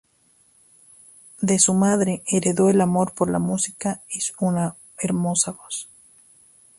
De su madre heredó el amor por la música y una hermosa voz.